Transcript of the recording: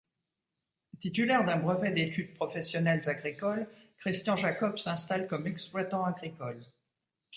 Titulaire d'un brevet d’études professionnelles agricoles, Christian Jacob s'installe comme exploitant agricole.